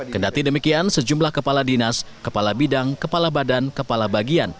kendati demikian sejumlah kepala dinas kepala bidang kepala badan kepala bagian